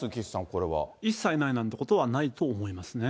一切ないなんてことはないと思いますね。